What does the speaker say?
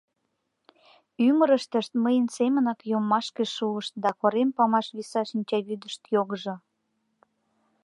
Ӱмырыштышт мыйын семынак йоммашке шуышт да корем памаш виса шинчавӱдышт йогыжо!..